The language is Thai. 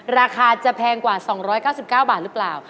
ราคาจะแพงกว่า๒๙๙บาทหรือเปล่า